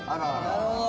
「なるほど！